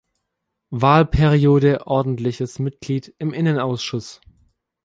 Wahlperiode Ordentliches Mitglied im Innenausschuss.